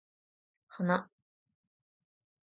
花